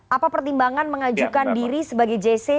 apa pertimbangan mengajukan diri sebagai jc